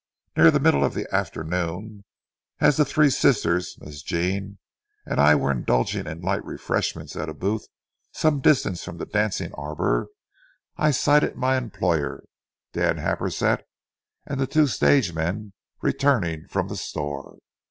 Near the middle of the afternoon, as the three sisters, Miss Jean, and I were indulging in light refreshment at a booth some distance from the dancing arbor, I sighted my employer, Dan Happersett, and the two stage men returning from the store.